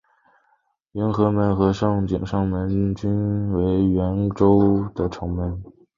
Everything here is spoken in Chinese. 迎和门和景圣门均为原归州的城门。